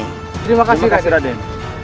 terima kasih raden